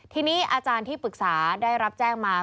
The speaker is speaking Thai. ทีนี้อาจารย์ที่ปรึกษาได้รับแจ้งมา